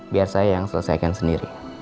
biar saya yang selesaikan sendiri